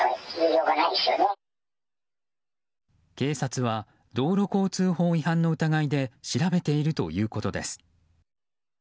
警察は道路交通法違反の疑いで調べているということです。